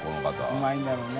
うまいんだろうな。